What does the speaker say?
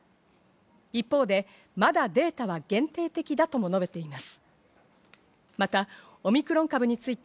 一方で、まだデータは限定的だとも述べています。